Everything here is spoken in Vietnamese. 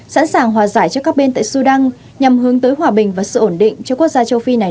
sẵn sàng hòa giải cho các bên tại sudan nhằm hướng tới hòa bình và sự ổn định cho quốc gia châu phi này